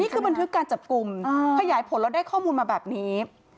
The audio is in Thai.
บันทึกการจับกลุ่มขยายผลแล้วได้ข้อมูลมาแบบนี้